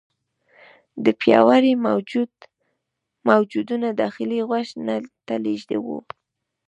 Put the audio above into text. دا پیاوړي موجونه داخلي غوږ ته لیږدوي.